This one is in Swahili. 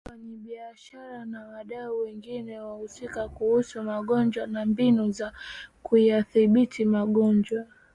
wafanyabiashara na wadau wengine wahusika kuhusu magonjwa na mbinu za kuyadhibiti magonjwa